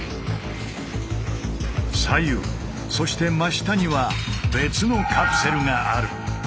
左右そして真下には別のカプセルがある。